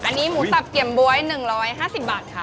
อันนี้หมูสับเกี่ยมบ๊วย๑๕๐บาทค่ะ